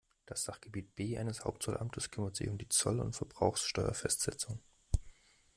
Das Sachgebiet B eines Hauptzollamts kümmert sich um die Zoll- und Verbrauchsteuerfestsetzung.